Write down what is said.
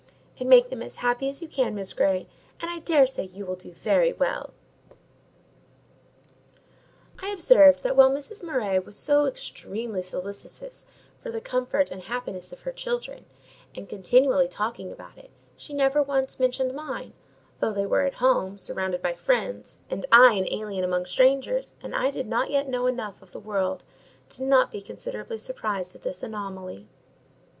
And make them as happy as you can, Miss Grey, and I dare say you will do very well." I observed that while Mrs. Murray was so extremely solicitous for the comfort and happiness of her children, and continually talking about it, she never once mentioned mine; though they were at home, surrounded by friends, and I an alien among strangers; and I did not yet know enough of the world, not to be considerably surprised at this anomaly.